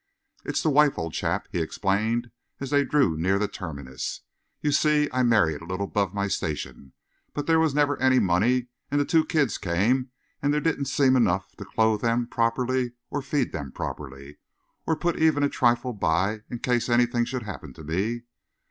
"It's the wife, old chap," he explained, as they drew near the terminus. "You see, I married a little above my station, but there was never any money, and the two kids came and there didn't seem enough to clothe them properly, or feed them properly, or put even a trifle by in case anything should happen to me.